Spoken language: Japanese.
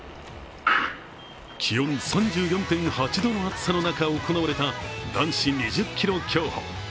気温３４．８度の暑さの中行われた男子２０ｋｍ競歩。